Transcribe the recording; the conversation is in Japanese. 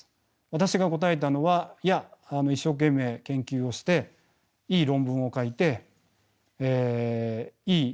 私が答えたのはいや一生懸命研究をしていい論文を書いていい